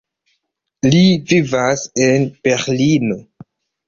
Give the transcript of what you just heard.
Li vivas en Berlino.